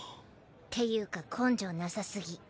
っていうか根性なさすぎ。